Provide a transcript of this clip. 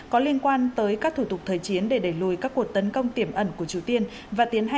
có liên quan tới các thủ tục thời chiến để đẩy lùi các cuộc tấn công tiểm ẩn của triều tiên